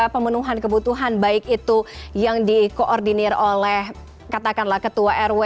pemenuhan kebutuhan baik itu yang dikoordinir oleh katakanlah ketua rw